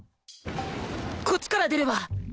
こっちから出れば